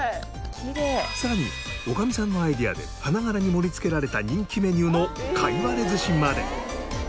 さらに女将さんのアイデアで花柄に盛り付けられた人気メニューのかいわれ寿司まで。